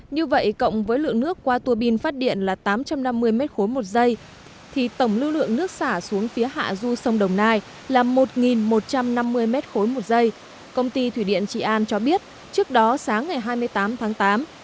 như vậy cộng với lượng nước qua tua bin phát điện là tám trăm năm mươi m ba một giây thì tổng lưu lượng nước xả xuống phía hạ du sông đồng nai là một một trăm năm mươi m ba một giây công ty thủy điện trị an cho biết trước đó sáng ngày hai mươi tám tháng tám